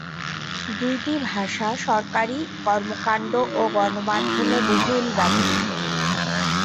দুইটি ভাষা সরকারী কর্মকাণ্ড ও গণমাধ্যমে বহুল ব্যবহৃত।